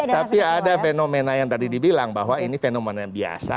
tapi ada fenomena yang tadi dibilang bahwa ini fenomena yang biasa